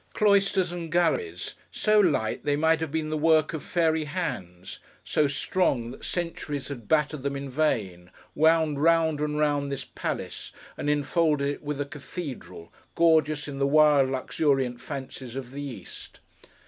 Cloisters and galleries: so light, they might have been the work of fairy hands: so strong that centuries had battered them in vain: wound round and round this palace, and enfolded it with a Cathedral, gorgeous in the wild luxuriant fancies of the East.